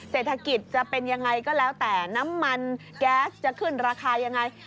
เศรษฐกิจจะเป็นยังไงก็แล้วแต่น้ำมันแก๊สจะขึ้นราคายังไง